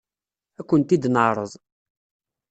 Ad kent-id-neɛṛeḍ.